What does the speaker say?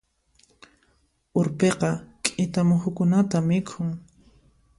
Urpiqa k'ita muhukunata mikhun.